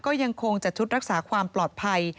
ก็ยังคงจัดชุดรักษาความปลอดภัย